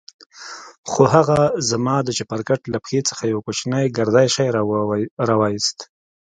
خو هغه زما د چپرکټ له پښې څخه يو کوچنى ګردى شى راوايست.